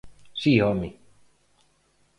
¡Si, home!